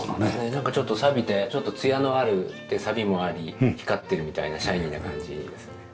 なんかちょっとさびてちょっとツヤのあるさびもあり光ってるみたいなシャイニーな感じいいですよね。